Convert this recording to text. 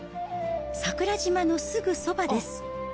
桜島のすぐそばです。